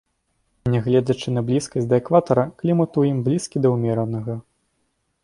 Нягледзячы на блізкасць да экватара, клімат у ім блізкі да ўмеранага.